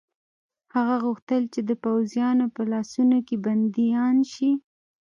هغه غوښتل چې د پوځیانو په لاسونو کې بندیان شي.